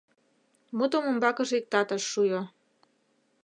Мутым умбакыже иктат ыш шуйо.